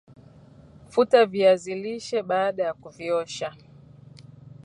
Futa viazi lishe baada ya kuviosha